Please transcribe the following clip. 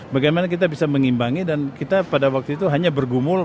bagaimana kita bisa mengimbangi dan kita pada waktu itu hanya bergumul